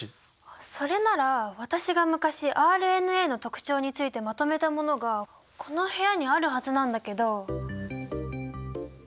それなら私が昔ＲＮＡの特徴についてまとめたものがこの部屋にあるはずなんだけど。